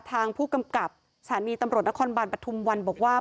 ทางผู้กำกับสถานีตำรวจนครบาลปฐุมวันบอกว่า